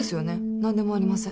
なんでもありません。